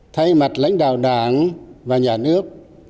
thay mặt lãnh đạo đảng và nhà nước